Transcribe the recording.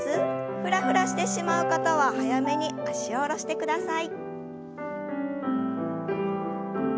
フラフラしてしまう方は早めに脚を下ろしてください。